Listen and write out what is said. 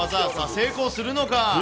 成功するのか。